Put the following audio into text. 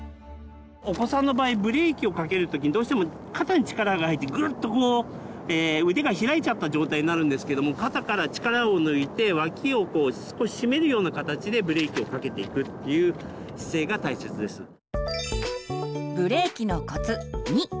お子さんの場合ブレーキをかける時にどうしても肩に力が入ってグッとこう腕が開いちゃった状態になるんですけども肩から力を抜いて脇をこう少ししめるような形でブレーキをかけていくっていう姿勢が大切です。